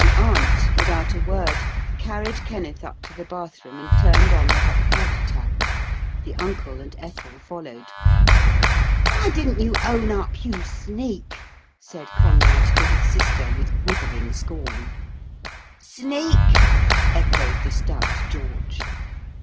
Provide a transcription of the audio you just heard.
The aunt, without a word, carried Kenneth up to the bath room and turned on the hot water tap. The uncle and Ethel followed. 'Why didn't you own up, you sneak?' said Conrad to his sister with withering scorn. 'Sneak,' echoed the stout George.